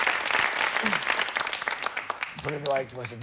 それではいきましょう。